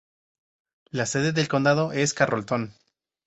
La sede del condado es Carrollton.